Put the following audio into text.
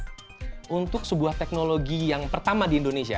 ini adalah smartphone yang pertama di indonesia